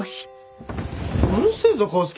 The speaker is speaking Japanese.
うるせえぞ康介。